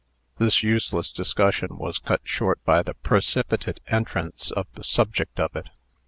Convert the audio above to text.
This useless discussion was cut short by the precipitate entrance of the subject of it.